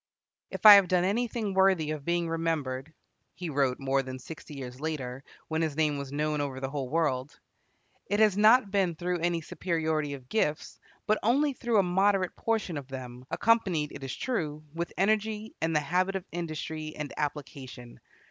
"If I have done anything worthy of being remembered," he wrote, more than sixty years later, when his name was known over the whole world, "it has not been through any superiority of gifts, but only through a moderate portion of them, accompanied, it is true, with energy and the habit of industry and application.